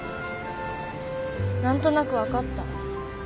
何となく分かった。